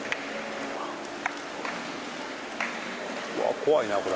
怖いな、これ。